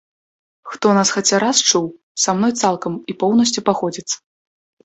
Хто нас хаця раз чуў, са мной цалкам і поўнасцю пагодзіцца.